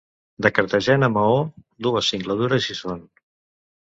De Cartagena a Maó, dues singladures hi són.